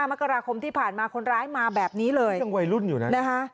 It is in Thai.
มกราคมที่ผ่านมาคนร้ายมาแบบนี้เลยยังวัยรุ่นอยู่นะนะคะ